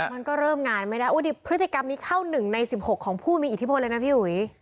มันก็เริ่มงานไม่ได้พฤติกรรมนี้เข้า๑ใน๑๖ของผู้มีอิทธิพลเลยนะพี่อุ๋ย